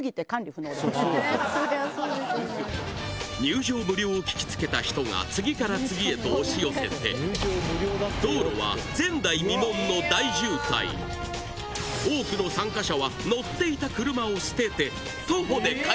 入場無料を聞き付けた人が次から次へと押し寄せて道路は前代未聞の大渋滞多くの参加者は乗っていたありさま